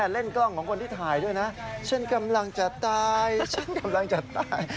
เล่นกล้องของคนที่ถ่ายด้วยนะฉันกำลังจะตายฉันกำลังจะตาย